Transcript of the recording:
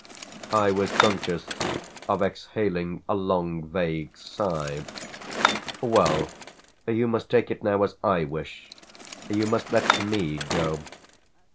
I was conscious of exhaling a long, vague sigh. "Well, you must take it now as I wish you must let me go."